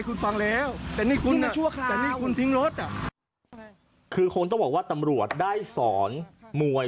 คุณอย่างใยก็เห็นแต่มีอันนี้ก้อนเลย